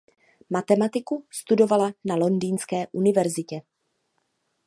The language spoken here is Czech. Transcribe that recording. Matematiku studovala na Londýnské univerzitě.